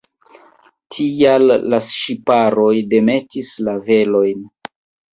Tial la ŝipanoj demetis la velojn.